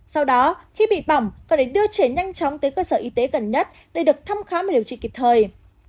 sau đó khi bị bỏng phải để đưa trẻ nhanh chóng tới cơ sở y tế gần nhất để được thăm khám và điều trị kịp thời